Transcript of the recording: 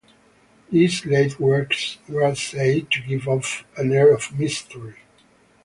These late works were said to give off an air of mystery.